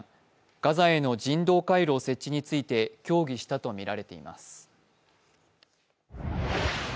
ガザへの人道回廊設置について協議したとみられています。